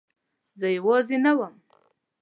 زه یوازې نه وم.